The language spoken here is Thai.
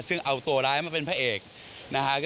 ซึ่งเอาตัวร้ายมาเป็นพระเอกนะฮะ